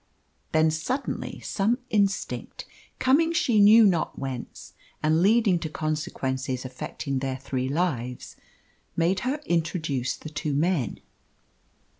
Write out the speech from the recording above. Then suddenly some instinct, coming she knew not whence, and leading to consequences affecting their three lives, made her introduce the two men.